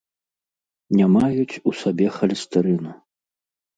Не маюць у сабе халестэрыну.